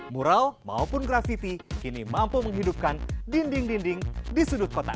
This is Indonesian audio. mural maupun grafiti kini mampu menghidupkan dinding dinding di sudut kota